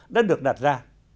đã được đặt ra